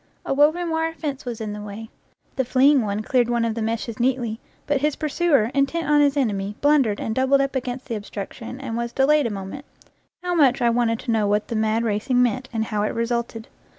A woven wire fence was in the way; the fleeing one cleared one of the meshes neatly, but his pursuer, intent on his enemy, blundered and doubled up against the obstruction and was delayed a moment how much I wanted to know what the mad racing meant, and how it resulted!